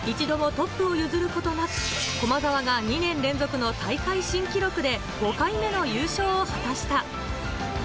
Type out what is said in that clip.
一度もトップを譲ることなく、駒澤が２年連続の大会新記録で５回目の優勝を果たした。